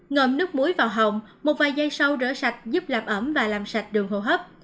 ngộm nước muối vào hồng một vài giây sau rửa sạch giúp làm ẩm và làm sạch đường hồ hấp